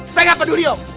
saya gak peduli oh